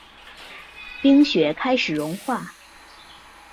冰雪开始融化